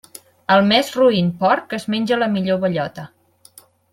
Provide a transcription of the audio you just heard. El més roín porc es menja la millor bellota.